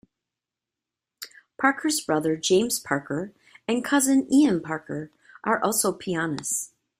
Parker's brother James Parker and cousin Ian Parker are also pianists.